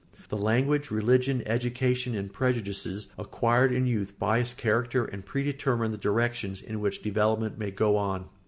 The language, religion, education, and prejudices acquired in youth bias character and predetermine the directions in which development may go on.